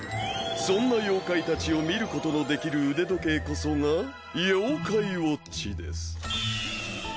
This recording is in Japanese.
そんな妖怪たちを見ることのできる腕時計こそが妖怪ウォッチです。